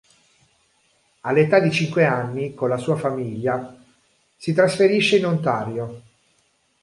All'età di cinque anni, con la sua famiglia, si trasferisce in Ontario.